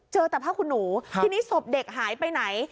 เจอแต่ผ้าคุณหนูทีนี้ศพเด็กหายไปไหน